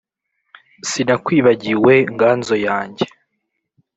Sinakwibagiwe nganzo yanjye